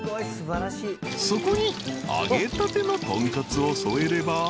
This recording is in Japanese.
［そこに揚げたての豚カツを添えれば］